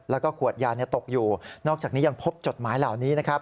แล้วก็ขวดยาตกอยู่นอกจากนี้ยังพบจดหมายเหล่านี้นะครับ